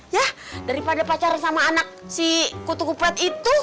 ya daripada pacaran sama anak si kutu kupet itu